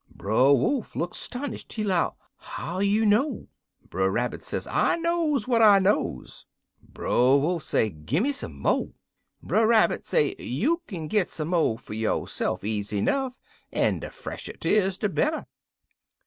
"Brer Wolf looked 'stonish'. He 'low, 'How you know?' "Brer Rabbit say, 'I knows what I knows!' "Brer Wolf say, 'Gimme some mo'!' "Brer Rabbit say, 'You kin git some mo' fer yo'se'f easy 'nuff, en de fresher 'tis, de better.'